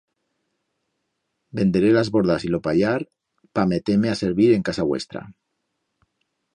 Venderé las bordas y lo pallar pa meter-me a servir en casa vuestra.